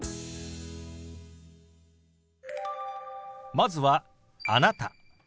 まずは「あなた」。